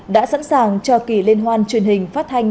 đã sẵn sàng cho kỳ liên hoan truyền hình phát thanh